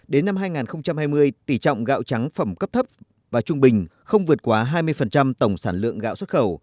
đến năm hai nghìn hai mươi tỷ trọng gạo trắng phẩm cấp thấp và trung bình không vượt quá hai mươi tổng sản lượng gạo xuất khẩu